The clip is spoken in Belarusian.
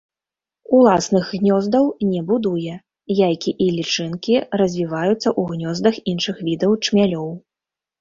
Уласных гнёздаў не будуе, яйкі і лічынкі развіваюцца ў гнёздах іншых відаў чмялёў.